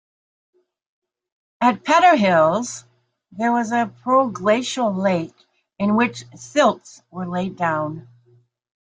At Petterhills, there was a proglacial lake in which silts were laid down.